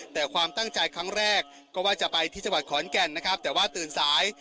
แต่ความตั้งใจครั้งแรกก็ว่าจะไปที่จังหวัดขอนแก่นนะครับแต่ว่าตื่นสาย